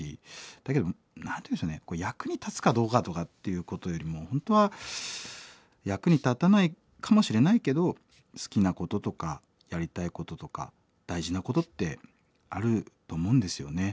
だけど何て言うんでしょうね役に立つかどうかとかっていうことよりも本当は役に立たないかもしれないけど好きなこととかやりたいこととか大事なことってあると思うんですよね。